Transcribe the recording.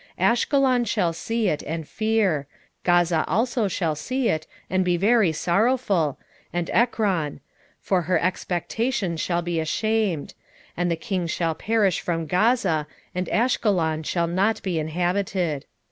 9:5 Ashkelon shall see it, and fear; Gaza also shall see it, and be very sorrowful, and Ekron; for her expectation shall be ashamed; and the king shall perish from Gaza, and Ashkelon shall not be inhabited.